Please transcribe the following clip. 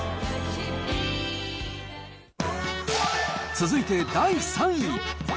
続いて第３位。